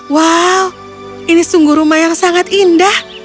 wow ini sungguh rumah yang sangat indah